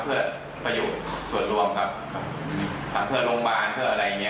คือยืนยันว่าไม่อันตรายครับ